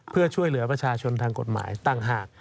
เพื่อช่วยเหลือประชาชนทางกฎหมายต่างหาก